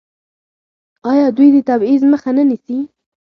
آیا دوی د تبعیض مخه نه نیسي؟